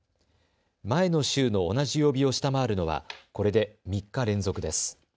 前の週の同じ曜日を下回るのはこれで３日連続です。